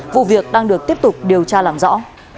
vụ việc đang được tiếp tục điều tra làm rõ